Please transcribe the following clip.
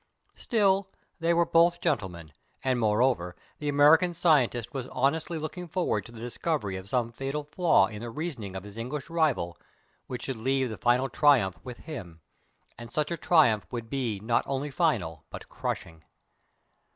Still, they were both gentlemen, and, moreover, the American scientist was honestly looking forward to the discovery of some fatal flaw in the reasoning of his English rival which should leave the final triumph with him and such a triumph would be not only final but crushing.